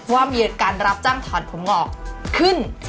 ว่ามีการรับจ้างถอนผมงอกขึ้น